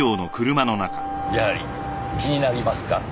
やはり気になりますか？